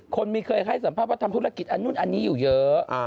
คนมีเคยให้สัมภาษณ์ว่าทำธุรกิจอันนู่นอันนี้อยู่เยอะ